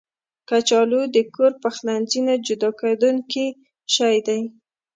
کچالو د کور پخلنځي نه جدا کېدونکی شی دی